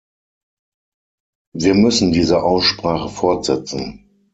Wir müssen diese Aussprache fortsetzen.